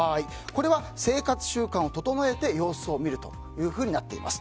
これは生活習慣を整えて様子を見るとなっています。